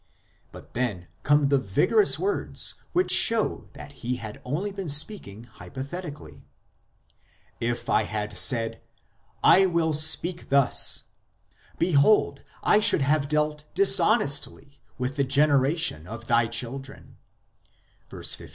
But then come the vigorous words which show that he had only been speaking hypothetically :/// had said, "/ will speak thus," Behold, I should have dealt dishonestly [lit. treacher ously] With the generation of Thy children (verse 15).